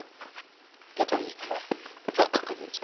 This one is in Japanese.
では鶏肉も今日は角切りです